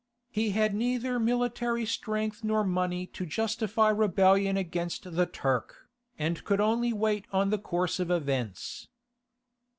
He had neither military strength nor money to justify rebellion against the Turk, and could only wait on the course of events.